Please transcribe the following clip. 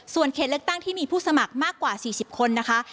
ส่วนเขตเลือกตั้งที่มีผู้สมัครมากกว่า๔๐คนนะคะ